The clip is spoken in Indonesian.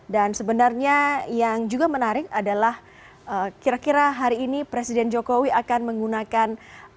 dan sebenarnya yang juga menarik adalah kira kira hari ini presiden jokowi akan menggunakan